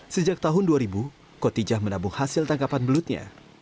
sejak tahun dua ribu kotijah menabung hasil tangkapan belutnya